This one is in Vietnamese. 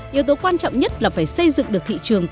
yếu tố quan trọng nhất là phải xây dựng được thị trường